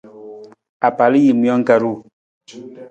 Apalajiimijang ka ru.